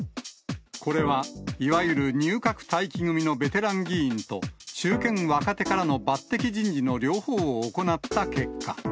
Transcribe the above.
これはいわゆる入閣待機組のベテラン議員と、中堅・若手からの抜てき人事の両方を行った結果。